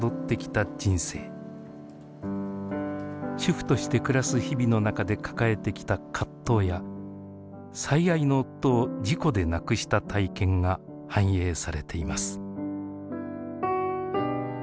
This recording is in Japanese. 主婦として暮らす日々の中で抱えてきた葛藤や最愛の夫を事故で亡くした体験が反映されています。